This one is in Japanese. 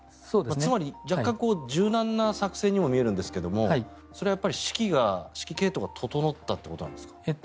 つまり、若干柔軟な作戦にも見えるんですがそれはやっぱり指揮系統が整ったということなんですか？